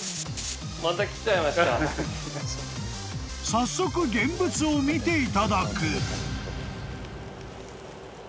［早速現物を見ていただく］